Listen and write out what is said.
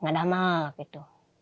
nggak ada apa apa gitu